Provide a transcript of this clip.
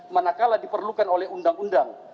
manakala diperlukan oleh undang undang